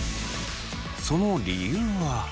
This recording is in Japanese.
その理由は。